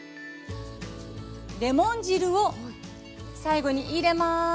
レモン汁を最後に入れます。